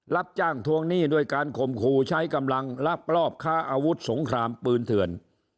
รับจ้างทวงหนี้ด้วยการข่มขู่ใช้กำลังลักลอบค้าอาวุธสงครามปืนเถื่อน